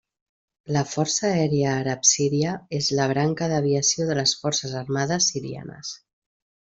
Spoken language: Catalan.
La Força Aèria Àrab Síria és la branca d'aviació de les Forces Armades Sirianes.